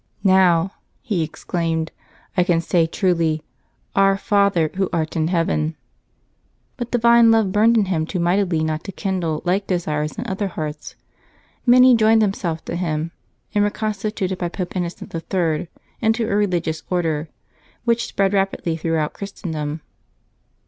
"Now,'' he exclaimed, "I can say truly, 'Our Father Who art in heaven.' " But divine love burned in him too mightily not to kindle like desires in other hearts. Many joined themselves to him, and were constituted by Pope Innocent III. into a religious Order, which spread rapidly throughout Christendom'.